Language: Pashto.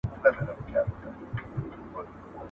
ایا خیر محمد به تر پایه پورې داسې غریب پاتې شي؟